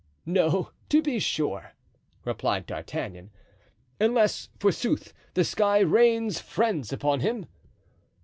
"No, to be sure," replied D'Artagnan; "unless, forsooth, the sky rains friends upon him."